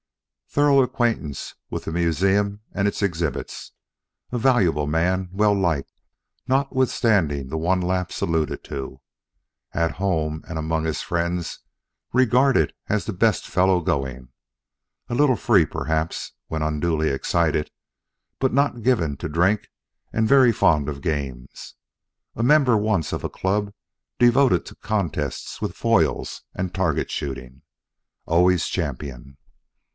Thorough acquaintance with the museum and its exhibits. A valuable man, well liked, notwithstanding the one lapse alluded to. At home and among his friends regarded as the best fellow going. A little free, perhaps, when unduly excited, but not given to drink and very fond of games. A member once of a club devoted to contests with foils and target shooting. Always champion.